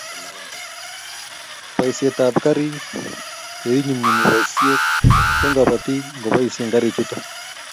Boisietap garik che inyumnyumi boisiet eng kobotik ngoboisie garichuto